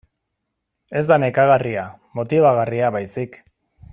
Ez da nekagarria, motibagarria baizik.